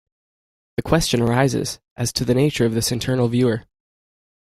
The question arises as to the nature of this internal viewer.